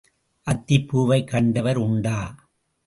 அத்திப் பூவைக் கண்டவர் உண்டா?